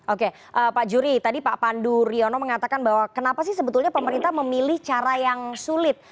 oke pak juri tadi pak pandu riono mengatakan bahwa kenapa sih sebetulnya pemerintah memilih cara yang sulit